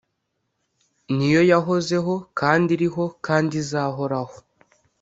ni yo yahozeho kandi iriho kandi izahoraho.”